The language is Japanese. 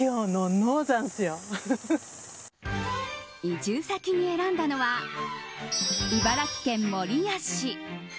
移住先に選んだのは茨城県守谷市。